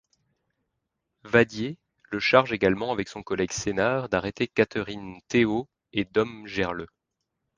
Vadier le charge également, avec son collègue Sénar, d'arrêter Catherine Théot et Dom Gerle.